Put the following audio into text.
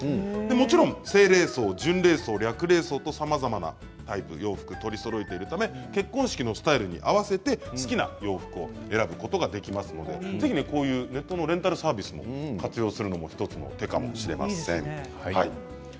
もちろん、正礼装、準礼装略礼装とさまざまなタイプ洋服を取りそろえているため結婚式のスタイルに合わせて好きな洋服を選ぶことができますのでぜひネットのレンタルサービスを活用するのも１つの手かもしれません。